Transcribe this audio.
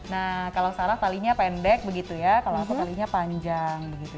nah kalau sarah talinya pendek begitu ya kalau satu talinya panjang begitu